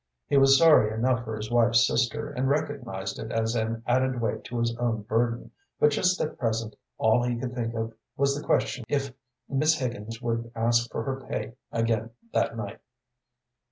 He was sorry enough for his wife's sister, and recognized it as an added weight to his own burden, but just at present all he could think of was the question if Miss Higgins would ask for her pay again that night.